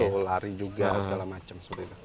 betul lari juga segala macam